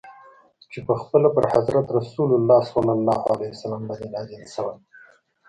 چي پخپله پر حضرت رسول ص باندي نازل سوی.